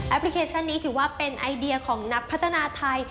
พลิเคชันนี้ถือว่าเป็นไอเดียของนักพัฒนาไทย